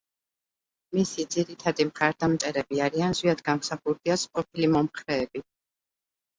მისი ძირითადი მხარდამჭერები არიან ზვიად გამსახურდიას ყოფილი მომხრეები.